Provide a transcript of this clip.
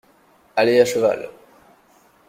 Aller à cheval.